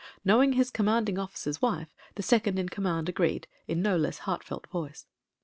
Knowing his commanding officer's wife the second in command agreed in no less heartfelt voice.